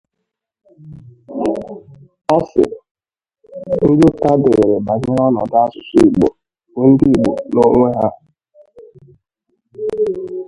ọ sị "Ndị ụta dịịrị banyere ọnọdụ asụsụ Igbo bụ ndịigbo nʻonwe ha